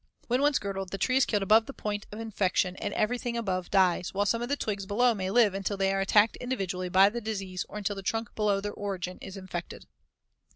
When once girdled, the tree is killed above the point of infection and everything above dies, while some of the twigs below may live until they are attacked individually by the disease or until the trunk below their origin is infected.